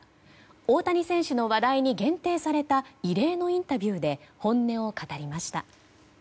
大谷選手の話題に限定された異例のインタビューで本音を語りました。